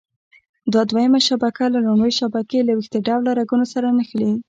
دا دویمه شبکه له لومړۍ شبکې له ویښته ډوله رګونو سره نښلي.